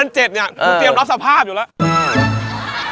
๒๐๐๗เนี่ยผมเตรียมรับสภาพอยู่แล้ว